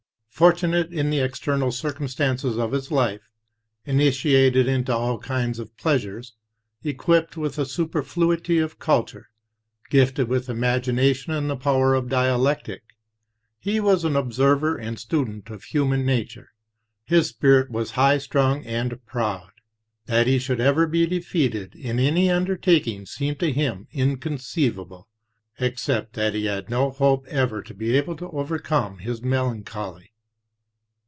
Fortunate in the external circum stances of his life, initiated into all kinds of pleasures, equipped with a superfluity of culture, gifted with imagination and the power of dialectic, he was an observer and student of human nature. His spirit was high strung and proud. That he should ever be defeated in any undertaking seemed to him incon ceivable, except that he had no hope ever to be able to overcome his melancholy.